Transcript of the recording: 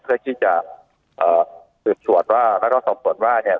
เพื่อที่จะเอ่อสืบสวนว่าแล้วก็สอบส่วนว่าเนี่ย